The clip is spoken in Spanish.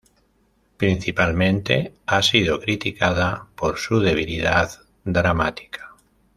Principalmente ha sido criticada por su debilidad dramática.